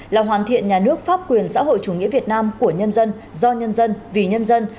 là hoàn thiện nhà nước pháp quyền xã hội chủ nghĩa việt nam của nhân dân do nhân dân vì nhân dân